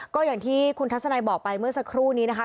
ก็อย่างที่คุณทัศนัยบอกไปเมื่อสักครู่นี้นะคะ